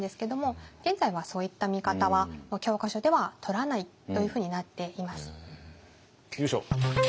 現在はそういった見方はもう教科書ではとらないというふうになっています。